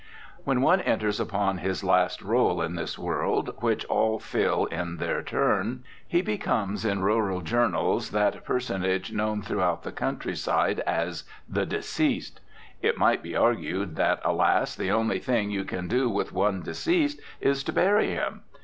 When one enters upon his last role in this world, which all fill in their turn, he becomes in rural journals that personage known throughout the countryside as "the deceased." It might be argued that, alas! the only thing you can do with one deceased is to bury him.